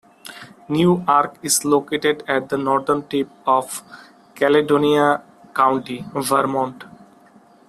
Newark is located at the northern tip of Caledonia County, Vermont.